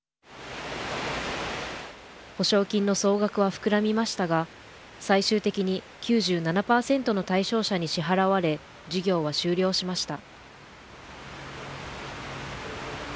補償金の総額は膨らみましたが最終的に９７％の対象者に支払われ事業は終了しました。